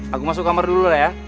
aku masuk kamar dulu lah ya